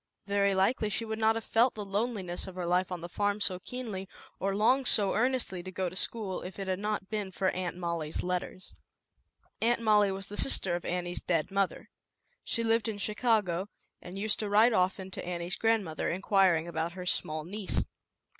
Very likely she would not have felt loneliness of , her life on the farm so keenly, or longed so earnestly to go to school, if it had not been for Aunt Molly's letters. 24 ZAUBERLINDA, THE WISE WITCH. Aunt Molly was the sister of Annie's dead mother. She lived in Chicago, and used to write often to Annie's grandmother, inquiring about her small niece.